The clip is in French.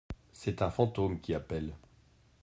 C’est un fantôme qui appelle.